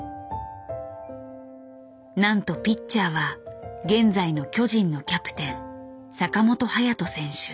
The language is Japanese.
なんとピッチャーは現在の巨人のキャプテン坂本勇人選手。